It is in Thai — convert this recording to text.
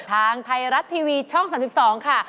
ทางไทยรัฐทีวีช่อง๓๒ค่ะ